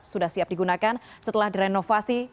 sudah siap digunakan setelah direnovasi